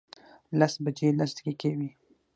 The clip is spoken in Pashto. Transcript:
لس بجې لس دقیقې وې.